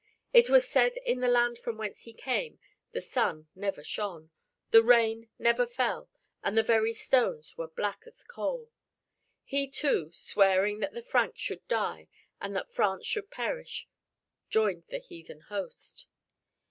It was said that in the land from whence he came, the sun never shone, the rain never fell, and the very stones were black as coal. He too, swearing that the Franks should die and that France should perish, joined the heathen host.